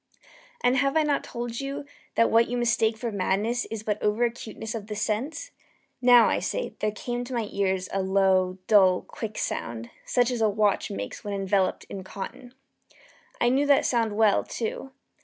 And have I not told you that what you mistake for madness is but over acuteness of the sense? now, I say, there came to my ears a low, dull, quick sound, such as a watch makes when enveloped in cotton. I knew that sound well, too.